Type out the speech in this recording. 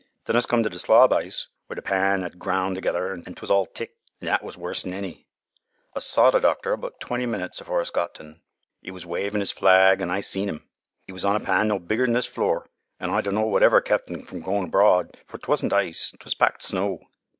Then us come t' th' slob ice where th' pan 'ad ground together, an' 'twas all thick, an' that was worse'n any. Us saw th' doctor about twenty minutes afore us got t' un. 'E was wavin' 'is flag an' I seen 'im. 'E was on a pan no bigger'n this flor, an' I dunno what ever kep' un fro' goin' abroad, for 'twasn't ice, 'twas packed snow.